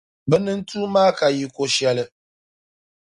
Bɛ nintua maa ka yiko shɛli.